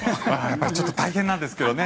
ちょっと大変なんですけどね。